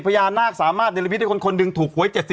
พญานาคสามารถในลิฟต์ให้คนคนดึงถูกไว้เจ็บสิบ